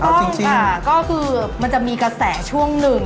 ต้องค่ะก็คือมันจะมีกระแสช่วงหนึ่ง